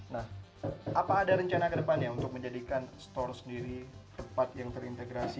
nah apa ada rencana ke depannya untuk menjadikan store sendiri tempat yang terintegrasi